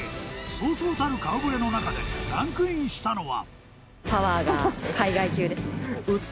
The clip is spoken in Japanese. そうそうたる顔ぶれの中でランクインしたのは。